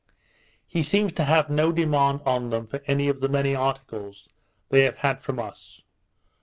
He seems to have no demand on them for any of the many articles they have had from us.